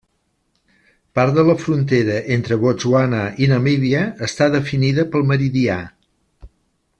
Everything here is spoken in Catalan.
Part de la frontera entre Botswana i Namíbia està definida pel meridià.